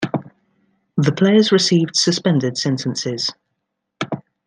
The players received suspended sentences.